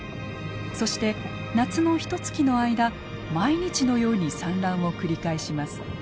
そして夏のひとつきの間毎日のように産卵を繰り返します。